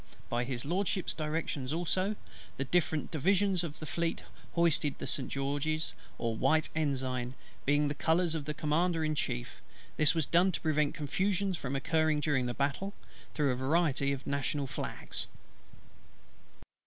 By HIS LORDSHIP'S directions also, the different divisions of the Fleet hoisted the St. George's or white ensign, being the colours of the Commander in Chief: this was done to prevent confusion from occurring during the battle, through a variety of national flags.